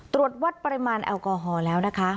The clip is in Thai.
ตรวจวัดปริมาณแอลกอฮอล์แล้วนะคะ